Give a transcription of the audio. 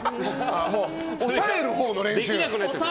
抑えるほうの練習。